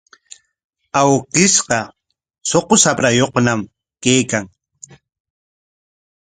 Awkishqa suqu shaprayuqñam kaykan.